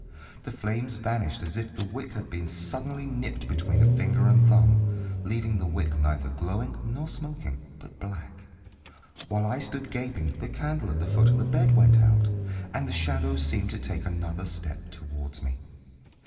The flames vanished as if the wick had been suddenly nipped between a finger and thumb, leaving the wick neither glowing nor smoking, but black. While I stood gaping the candle at the foot of the bed went out, and the shadows seemed to take another step toward me.